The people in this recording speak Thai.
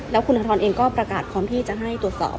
แล้วคุณธนทรเองก็ประกาศพร้อมที่จะให้ตรวจสอบ